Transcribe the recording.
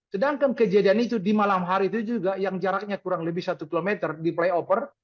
sedangkan kejadian itu di malam hari itu juga yang jaraknya kurang lebih satu km di playover